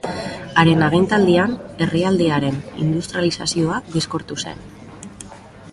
Haren agintaldian, herrialdearen industrializazioa bizkortu zen.